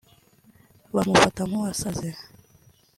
bamufata nk’uwasaze